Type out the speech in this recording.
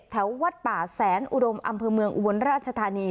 แถววัดป่าแสนอุดมอำเภอเมืองอุบลราชธานี